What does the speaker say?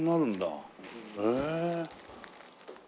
へえ。